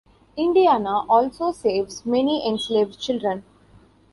Indiana also saves many enslaved children.